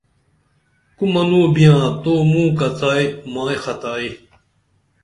کُو منوں بِیاں تو مُوں کڅئی مائی خطائی